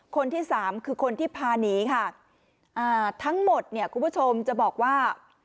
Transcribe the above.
คนที่สามคือคนที่พาหนีค่ะอ่าทั้งหมดเนี่ยคุณผู้ชมจะบอกว่า